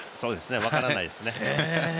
分からないですね。